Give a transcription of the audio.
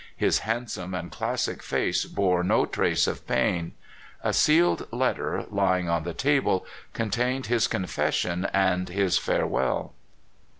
His handsome and classic face bore no trace of pain. A sealed letter, lying on the table, contained his confession and his fare well.